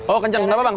oh kenceng apa bang